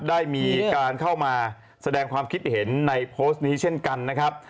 ได้มีการเข้ามาแสดงความคิดเห็นในโพสต์นี้เช่นกันนะครับ